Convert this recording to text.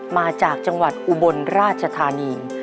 มาจากจังหวัดอุบลราชธานี